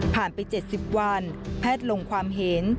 ไป๗๐วันแพทย์ลงความเห็น